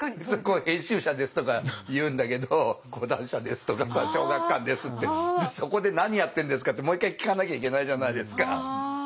そこは「編集者です」とか言うんだけど「講談社です」とかさ「小学館です」って「そこで何やってんですか」ってもう一回聞かなきゃいけないじゃないですか。